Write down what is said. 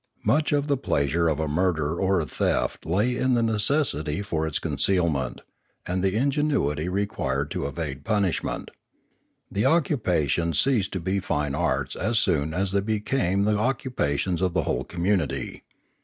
Much of the pleasure of a murder or a theft lay in the neces sity for its concealment, and the ingenuity required to evade punishment. The occupations ceased to be fine arts as soon as they became the occupations of the whole community.